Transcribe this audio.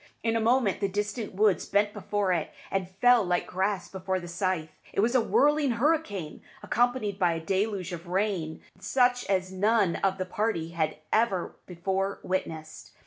In a moment the distant woods bent before it, and fell like grass before the scythe. It was a whirling hurricane, accompanied by a deluge of rain such as none of the party had ever before witnessed.